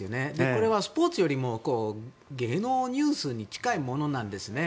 これはスポーツよりも芸能ニュースに近いものなんですね。